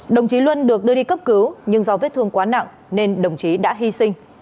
đồng chí luân được đưa đi cấp cứu nhưng do vết thương quá nặng nên đồng chí đã hy sinh